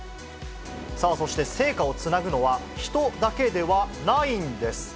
さあ、そして聖火をつなぐのは、人だけではないんです。